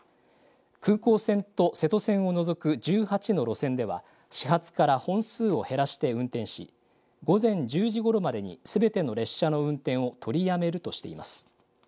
空港線と瀬戸線を除く１８の路線では始発から本数を減らして運転し、午前１０時ごろまでにすべての列車の運転を取りやめるとしています。